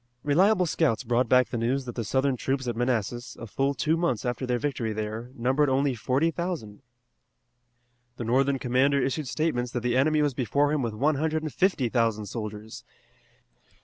Reliable scouts brought back the news that the Southern troops at Manassas, a full two months after their victory there, numbered only forty thousand. The Northern commander issued statements that the enemy was before him with one hundred and fifty thousand soldiers.